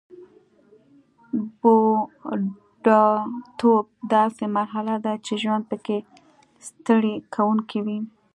بوډاتوب داسې مرحله ده چې ژوند پکې ستړي کوونکی وي